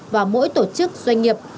và mỗi tổ chức doanh nghiệp